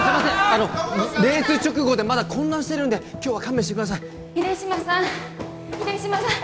あのレース直後でまだ混乱してるんで今日は勘弁してください秀島さん秀島さん